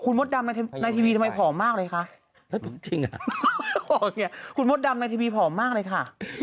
คุณมดดำในทีวีทำไมผอมมากเลยคะแล้วตัวจริงคุณมดดำในทีวีผอมมากเลยค่ะ